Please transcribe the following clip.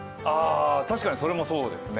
確かにそれもそうですね。